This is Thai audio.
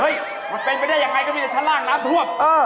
มันเป็นไปได้ยังไงก็มีแต่ชั้นล่างน้ำท่วม